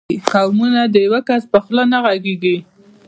قومونه د یو کس په خوله نه غږېږي.